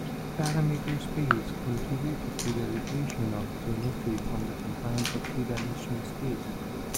Parameter space contributed to the liberation of geometry from the confines of three-dimensional space.